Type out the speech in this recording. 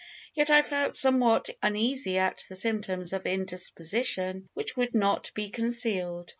Yet I felt somewhat uneasy at the symptoms of indisposition which would not be concealed.